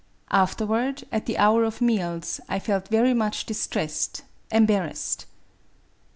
Afterward, at the hour of meals, I felt very much dis tressed [embarrassed'].